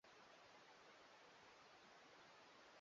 Mi nahaja na wewe Yesu